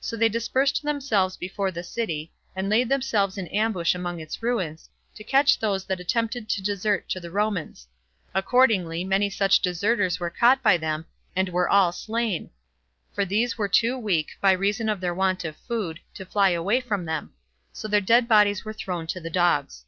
So they dispersed themselves before the city, and laid themselves in ambush among its ruins, to catch those that attempted to desert to the Romans; accordingly many such deserters were caught by them, and were all slain; for these were too weak, by reason of their want of food, to fly away from them; so their dead bodies were thrown to the dogs.